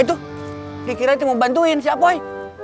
itu dikira itu mau bantuin siap boy